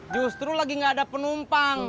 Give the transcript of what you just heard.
justru lagi nggak ada penumpang